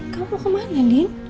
kamu kemana lin